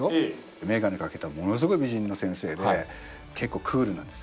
眼鏡かけたものすごい美人の先生で結構クールなんです。